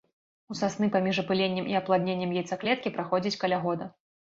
У сасны паміж апыленнем і апладненнем яйцаклеткі праходзіць каля года.